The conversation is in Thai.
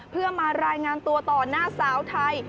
เพื่อมารายงานตัวต่อหน้าสาวไทย